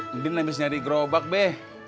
indin habis nyari gerobak be